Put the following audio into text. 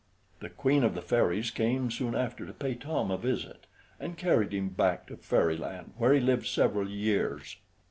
The queen of the fairies came soon after to pay Tom a visit, and carried him back to Fairyland, where he lived several years.